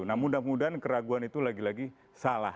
nah mudah mudahan keraguan itu lagi lagi salah